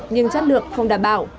nhưng chất lượng không đảm bảo